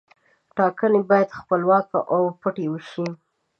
ټاکنې باید خپلواکه او پټې وشي.